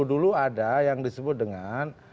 dulu ada yang disebut dengan